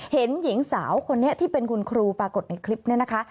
เห็นหญิงสาวคนนี้ที่เป็นคุณครูปรากฏในคลิปนี้นะคะ